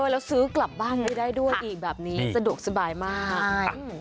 แล้วซื้อกลับบ้านไม่ได้ด้วยอีกแบบนี้สะดวกสบายมากใช่